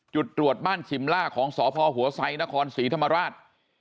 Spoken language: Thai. จุดตรวจบ้านฉิมล่าของสพหัวไซนครศรีธรรมราช